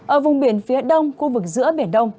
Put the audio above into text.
ở vùng biển phía đông khu vực giữa biển đông